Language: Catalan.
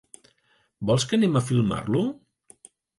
Vols que anem a filmar-lo?